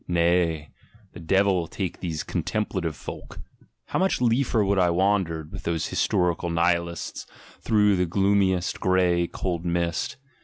Nay! rhe devil take these "contemplative" folk! How much tefer would I wander with those historical Nihilists hrough the gloomiest, grey, cold mist!